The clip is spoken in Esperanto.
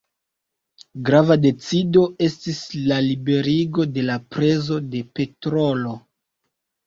Grava decido estis la liberigo de la prezo de petrolo.